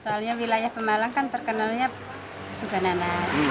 soalnya wilayah pemalang kan terkenalnya juga nanas